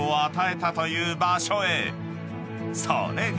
［それが］